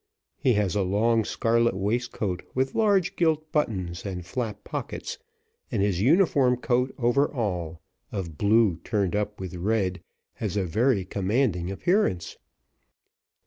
He has a long scarlet waiscoat, with large gilt buttons and flap pockets, and his uniform coat over all, of blue turned up with red, has a very commanding appearance.